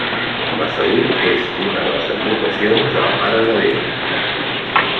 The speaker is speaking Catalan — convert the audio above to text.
La Salut és una de les advocacions de la Mare de Déu.